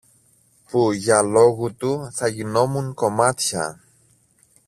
που για λόγου του θα γίνουμουν κομμάτια!